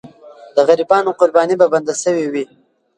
د غریبانو قرباني به بنده سوې وي.